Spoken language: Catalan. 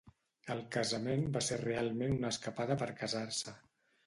El casament va ser realment una escapada per casar-se.